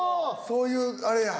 そういうあれや。